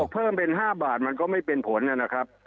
เพิ่มเป็น๕บาทมันก็ไม่เป็นผลนะครับ